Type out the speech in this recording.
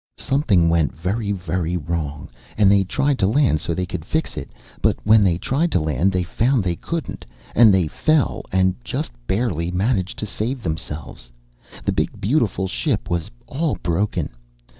"Something went very, very wrong and they tried to land so they could fix it. But when they tried to land they found they couldn't and they fell and just barely managed to save themselves. The big, beautiful ship was all broken.